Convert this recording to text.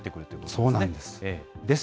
そうなんです。